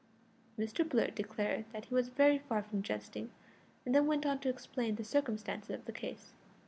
Mr Blurt declared that he was very far from jesting, and then went on to explain the circumstances of the case.